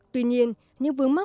tuy nhiên những vương quốc